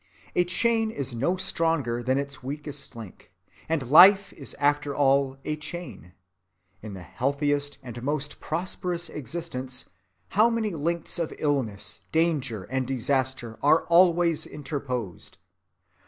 A chain is no stronger than its weakest link, and life is after all a chain. In the healthiest and most prosperous existence, how many links of illness, danger, and disaster are always interposed?